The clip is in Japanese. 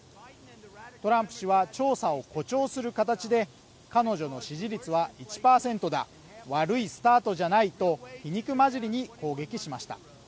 トランプ氏は調査を誇張する形で彼女の支持率は１％だ悪いスタートじゃないと皮肉交じりに攻撃しました